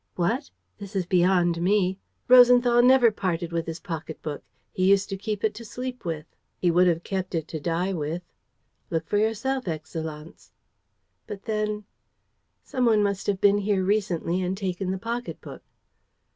"What! This is beyond me! Rosenthal never parted with his pocketbook. He used to keep it to sleep with; he would have kept it to die with." "Look for yourself, Excellenz." "But then ...?" "Some one must have been here recently and taken the pocketbook."